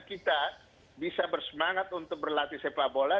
kita bisa bersemangat untuk berlatih sepak bola